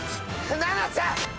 ななちゃん。